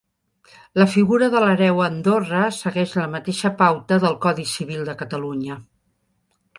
La figura de l’hereu a Andorra segueix la mateixa pauta del Codi Civil de Catalunya.